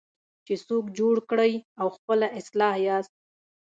چې څوک جوړ کړئ او خپله اصلاح یاست.